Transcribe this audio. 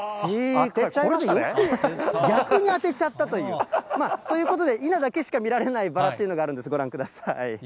当てちゃいましたね、逆に当てちゃったという。ということで、伊奈だけしか見られないバラっていうのがあるんです、ご覧ください。